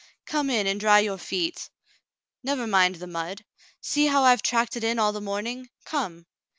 "Come in and dry your feet. Never mind the mud ; see how I've tracked it in all the morning. Come."